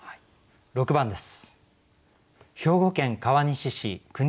６番です。